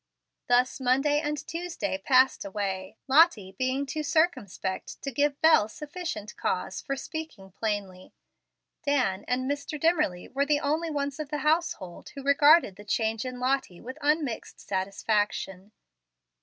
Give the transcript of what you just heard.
Thus Monday and Tuesday passed away, Lottie being too circumspect to give Bel sufficient cause for speaking plainly. Dan and Mr. Dimmerly were the only ones of the household who regarded the change in Lottie with unmixed satisfaction.